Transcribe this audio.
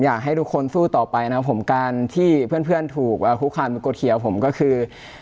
อยากให้ทุกคนสู้ต่อไปนะครับผมการที่เพื่อนถูกคุกคานมากดเขียวผมก็คือ